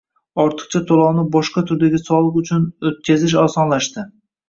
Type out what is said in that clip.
Ortiqcha to‘lovni boshqa turdagi soliq uchun o‘tkazish osonlashdi